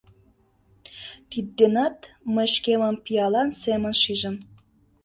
Тидденат мый шкемым пиалан семын шижым.